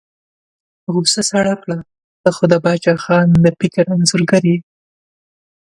غوسه سړه کړه، ته خو د باچا خان د فکر انځورګر یې.